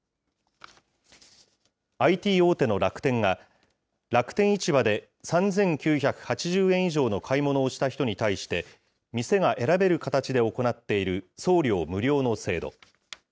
ＩＴ大手の楽天が、楽天市場で３９８０円以上の買い物をした人に対して、店が選べる形で行っている送料無料の制度。